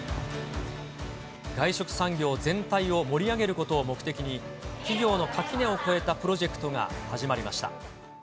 外食産業全体を盛り上げることを目的に、企業の垣根を越えたプロジェクトが始まりました。